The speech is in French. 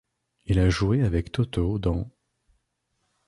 Il a joué avec Totò dans '.